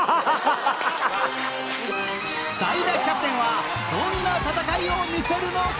代打キャプテンはどんな戦いを見せるのか？